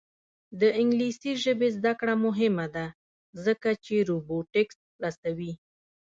د انګلیسي ژبې زده کړه مهمه ده ځکه چې روبوټکس رسوي.